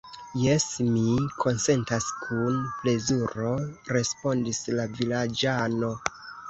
Jes, mi konsentas kun plezuro, respondis la vilaĝano.